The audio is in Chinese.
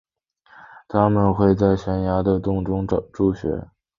它们会在悬崖的洞中筑巢。